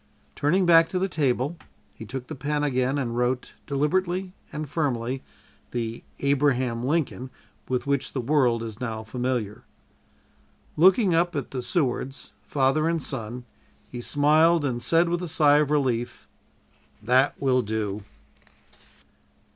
'" Turning back to the table, he took the pen again and wrote, deliberately and firmly, the "Abraham Lincoln" with which the world is now familiar. Looking up at the Sewards, father and son, he smiled and said, with a sigh of relief: "_That will do!